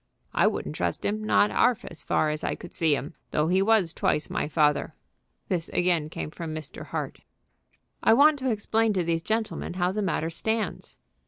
"I wouldn't trust him, not 'alf as far as I could see him, though he was twice my father." This again came from Mr. Hart. "I want to explain to these gentlemen how the matter stands."